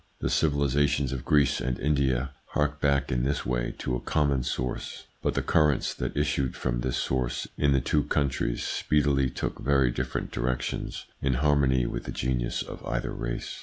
The civilisations of Greece and India hark back in this way to a common source ; but the currents that issued from this source in the two countries speedily took very different directions, in harmony with the genius of either race.